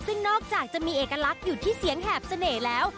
ซึ่งนอกจากจะมีเอกลักษณ์อยู่ที่เสียงแหบเสน่ห์แล้ว